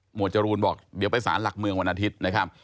วดจรูนบอกเดี๋ยวไปสารหลักเมืองวันอาทิตย์นะครับ